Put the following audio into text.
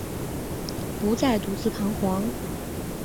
不再独自徬惶